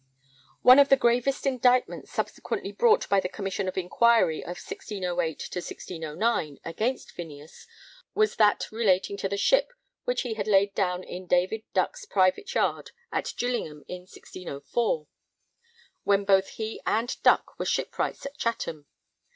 ] One of the gravest indictments subsequently brought by the Commission of Inquiry of 1608 1609 against Phineas was that relating to the ship which he had laid down in David Duck's private yard at Gillingham in 1604, when both he and Duck were shipwrights at Chatham.